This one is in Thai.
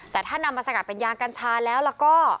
แต่ถ้านำมาสกัดเป็นยางกัญชาแล้วแล้วก็